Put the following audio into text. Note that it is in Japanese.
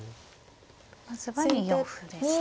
まずは２四歩ですね。